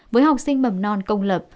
với học sinh mầm non công lập